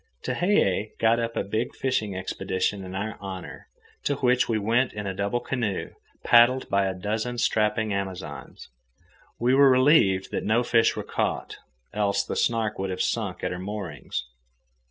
Tehei got up a big fishing expedition in our honour, to which we went in a double canoe, paddled by a dozen strapping Amazons. We were relieved that no fish were caught, else the Snark would have sunk at her moorings.